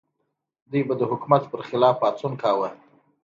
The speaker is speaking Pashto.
دوی به د حکومت پر خلاف پاڅون کاوه.